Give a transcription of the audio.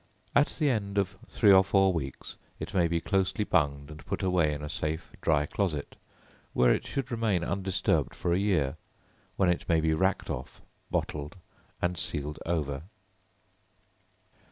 At the end of three or four weeks, it may be closely bunged and put away in a safe dry closet, where it should remain undisturbed for a year, when it may be racked off, bottled and sealed over.